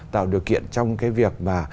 tạo điều kiện trong cái việc mà